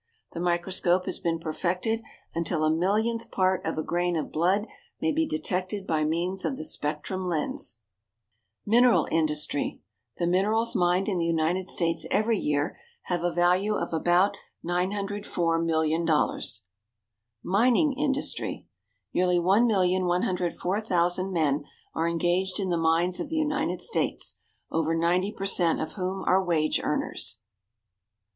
The microscope has been perfected until a millionth part of a grain of blood may be detected by means of the spectrum lens. =Mineral Industry.= The minerals mined in the United States every year have a value of about $904,000,000. =Mining Industry.= Nearly 1,140,000 men are engaged in the mines of the United States, over 90 per cent of whom are wage earners.